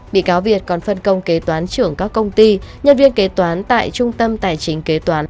bị cáo việt còn phân công kế toán trưởng các công ty nhân viên kế toán tại trung tâm tài chính kế toán